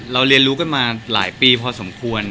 เรียนรู้กันมาหลายปีพอสมควร